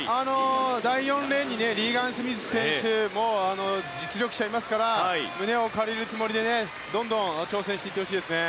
第４レーンにリーガン・スミス選手という実力者いますから胸を借りるつもりでどんどん挑戦していってほしいですね。